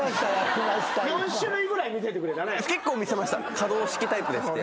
可動式タイプでして。